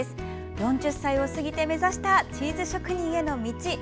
４０歳を過ぎて目指したチーズ職人への道。